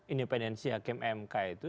independensi hakim mk itu